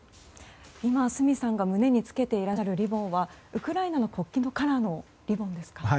今、角さんが胸に着けていらっしゃるリボンはウクライナの国旗のカラーのリボンですか。